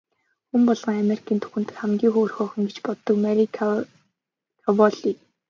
Хүн болгоны Америкийн түүхэн дэх хамгийн хөөрхөн охин гэж боддог Мари Караволли.